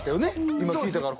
今聞いたから。